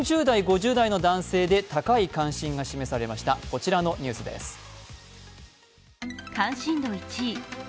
４０代、５０代の男性で高い関心が示されましたこちらのニュースです。